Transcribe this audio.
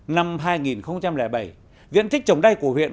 năm hai nghìn bảy diện tích trồng đay của huyện